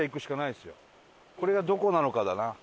これがどこなのかだな。